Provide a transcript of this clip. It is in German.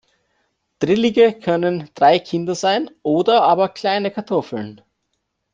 Drillige können drei Kinder sein oder aber kleine Kartoffeln.